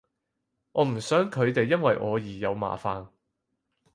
我唔想佢哋因為我而有麻煩